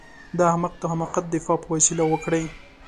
د احمق د حماقت دفاع په وسيله وکړئ.